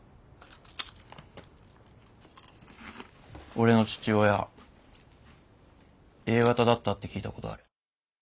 俺の父親Ａ型だったって聞いたことある。